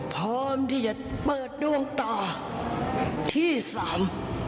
พร้อมที่จะเปิดดวงตาที่สาม